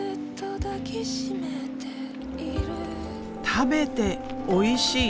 食べておいしい！